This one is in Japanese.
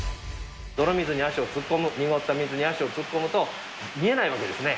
泥水に足を突っ込む、濁った水に足を突っ込むと、見えないわけですね。